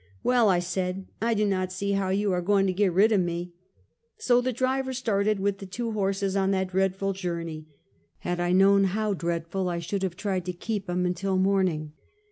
" Well," I said, " I do not see how you are going to get rid of me," So the driver started with the two horses on that dreadful journey; had I known how dreadful, I should have tried to keep him till morning.